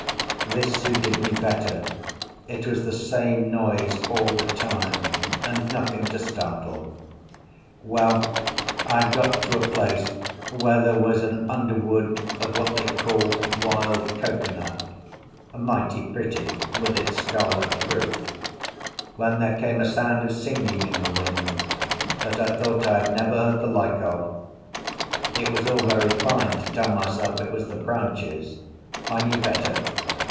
This suited me better; it was the same noise all the time, and nothing to startle. Well, I had got to a place where there was an underwood of what they call wild cocoanut—mighty pretty with its scarlet fruit—when there came a sound of singing in the wind that I thought I had never heard the like of. It was all very fine to tell myself it was the branches; I knew better.